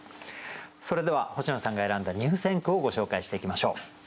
それでは星野さんが選んだ入選句をご紹介していきましょう。